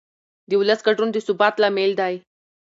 د ولس ګډون د ثبات لامل دی